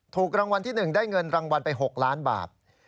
ถูกรางวัลที่๑ได้เงินรางวัลไป๖ล้านบาท